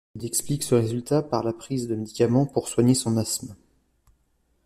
Il explique ce résultat par la prise de médicaments pour soigner son asthme.